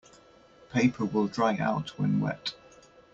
Paper will dry out when wet.